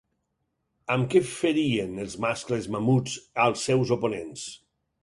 Amb què ferien els mascles mamuts als seus oponents?